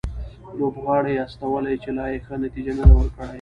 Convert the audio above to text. لوبغاړي استولي چې لا یې ښه نتیجه نه ده ورکړې